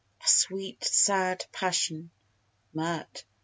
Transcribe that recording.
A sweet sad passion MIRT.